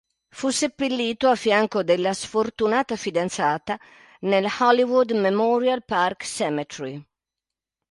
Fu seppellito a fianco della sfortunata fidanzata nell"'Hollywood Memorial Park Cemetery".